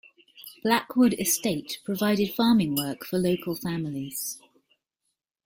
Blackwood estate provided farming work for local families.